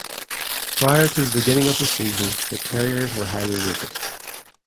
Prior to the beginning of the season the Terriers were highly rated.